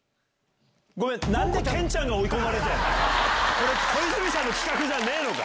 これ小泉さんの企画じゃねえのか？